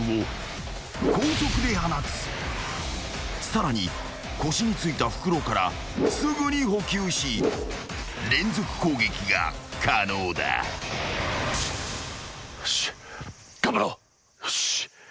［さらに腰についた袋からすぐに補給し連続攻撃が可能だ］よし頑張ろう。